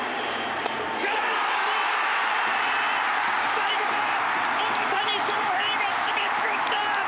最後は大谷翔平が締めくくった！